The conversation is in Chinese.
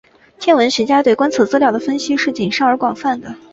天文学家对观测资料的分析是谨慎而广泛的。